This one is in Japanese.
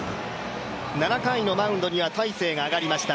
７回のマウンドには大勢が上がりました。